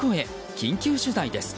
緊急取材です。